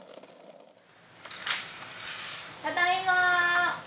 ただいま。